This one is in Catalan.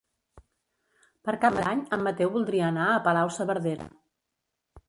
Per Cap d'Any en Mateu voldria anar a Palau-saverdera.